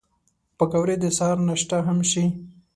پکورې د سهر ناشته هم شي